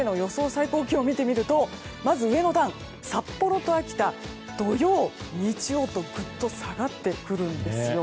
最高気温を見ると札幌と秋田、土曜日曜とぐっと下がってくるんですよ。